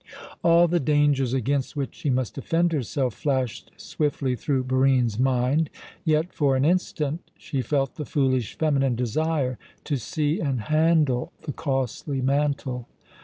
All the dangers against which she must defend herself flashed swiftly through Barine's mind; yet, for an instant, she felt the foolish feminine desire to see and handle the costly mantle.